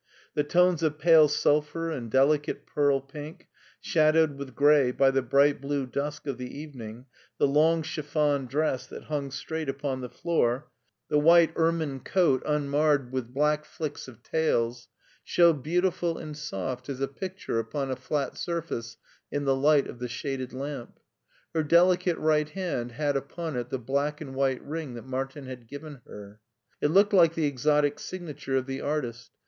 The tones of pale sulphur and delicate pearl pink, shadowed with gray by the bright blue dusk of the evening, the long chiffon dress that hung straight upon the floor, the 231 232 MARTIN SCHtJLER white ermine coat unmarred with black flicks of tails, showed beautiful and soft as a picture upon a flat surface in the light of the shaded lamp. Her delicate right hand had upon it the black and white ring that Martin had given her. It looked like the exotic signa ture of the artist.